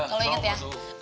kalau inget ya